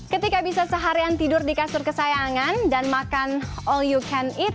ketika bisa seharian tidur di kasur kesayangan dan makan all you can eat